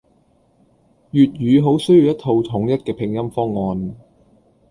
粵語好需要一套統一嘅拼音方案